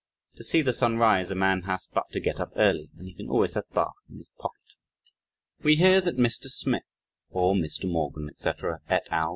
To see the sun rise, a man has but to get up early, and he can always have Bach in his pocket. We hear that Mr. Smith or Mr. Morgan, etc., et al.